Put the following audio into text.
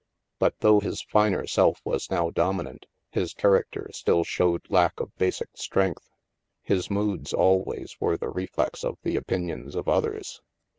But though his finer self was now dominant, his character still showed lack of basic strength. His moods always were the reflex of the opinions of others.